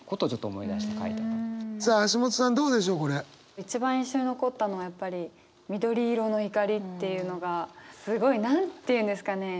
一番印象に残ったのはやっぱり「緑色の怒り」っていうのがすごい何て言うんですかね